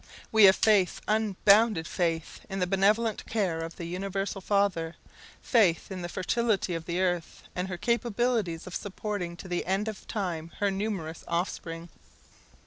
We have faith, unbounded faith, in the benevolent care of the Universal Father, faith in the fertility of the earth, and her capabilities of supporting to the end of time her numerous offspring.